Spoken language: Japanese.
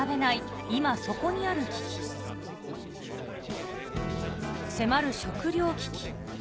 今そこにある危機』迫る食糧危機